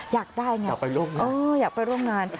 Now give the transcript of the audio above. อยากได้ไงอืออยากไปร่วมงาน